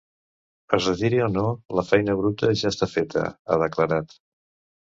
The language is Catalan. Es retiri o no, la feina bruta ja està feta, ha declarat.